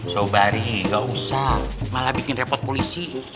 saubari gak usah malah bikin repot polisi